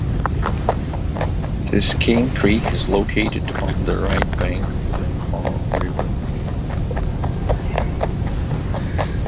This Cane Creek is located on the right bank of the Haw River.